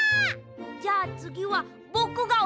じゃあつぎはぼくがおにだね。